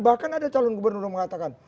bahkan ada calon gubernur yang mengatakan